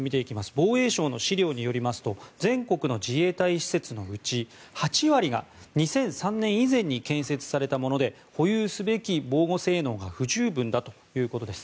防衛省の資料によりますと全国の自衛隊施設のうち８割が２００３年以前に建設されたもので保有すべき防護性能が不十分だということです。